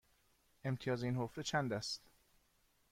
امتیاز این حفره چند است؟